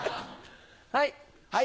はい！